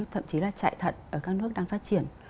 thậm chí là chạy thận ở các nước đang phát triển